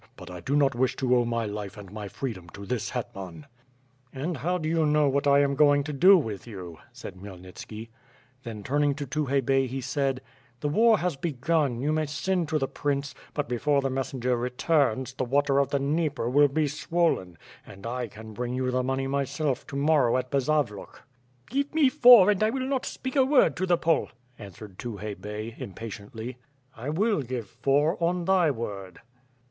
But I do not wish to owe my life and my freedom to this hetman." "And how do you know what I am going to do with you," said Khmyelnitski. Then turning to Tukhay Bey, he said: "The war has begun; you may send to the prince, but be fore the messenger returns, the waters of the Dnieper will be swollen; and I can bring you the money myself to morrow to Bazavluk/' "Give me four, and I will not speak a word to the Pole,'' answered Tukhay Bey, impatiently. "I will give four, on thy word!"